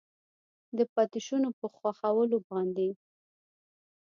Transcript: د پاتې شونو په ښخولو باندې